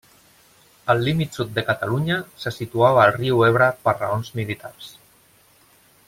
El límit sud de Catalunya se situava al riu Ebre per raons militars.